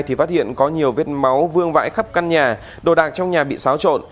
thì phát hiện có nhiều vết máu vương vãi khắp căn nhà đồ đạc trong nhà bị xáo trộn